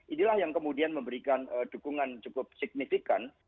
inilah yang kemudian memberikan dukungan cukup signifikan